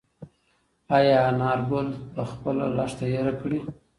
ایا انارګل به خپله لښته هېره کړي؟